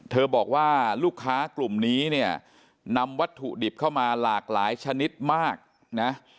บอกว่าลูกค้ากลุ่มนี้เนี่ยนำวัตถุดิบเข้ามาหลากหลายชนิดมากนะ